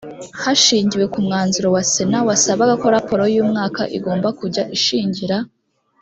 hashingiwe ku mwanzuro wa sena wasabaga ko raporo y umwaka igomba kujya ishingira